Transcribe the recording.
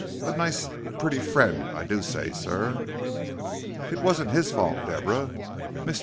"A nice pretty friend, I do say, sir." "It wasn't his fault, Deborah. Mr.